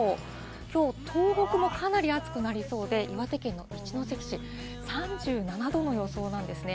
きょう東北もかなり暑くなりそうで、岩手県の一関市、３７度の予想なんですね。